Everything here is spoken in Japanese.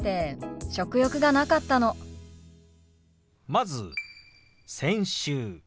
まず「先週」。